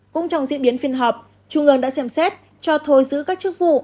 cũng trong diễn biến phiên họp trung ương đã xem xét cho thôi giữ các chức vụ